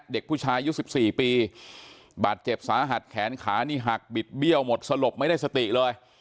เด็กผู้ชายอายุ๑๔ปีบาดเจ็บสาหัสแขนขานี่หักบิดเบี้ยวหมดสลบไม่ได้สติเลย